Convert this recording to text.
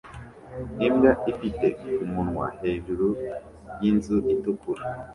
Imbwa ifite umunwa hejuru yinzu itukura